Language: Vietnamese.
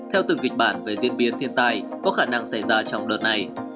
theo từng kịch bản về diễn biến thiên tai có khả năng xảy ra trong đợt này